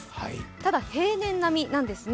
ただ、平年並みなんですね。